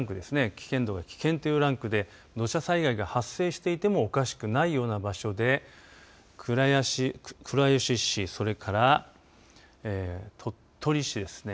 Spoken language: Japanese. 危険度が危険というランクで土砂災害が発生していてもおかしくないような場所で倉吉市、それから鳥取市ですね。